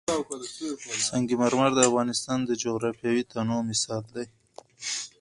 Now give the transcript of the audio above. سنگ مرمر د افغانستان د جغرافیوي تنوع مثال دی.